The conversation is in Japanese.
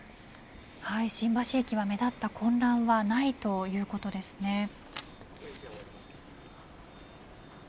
新橋駅は目立った混乱はないということですね。